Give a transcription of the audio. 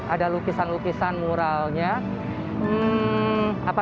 ada lukisan lukisan muralnya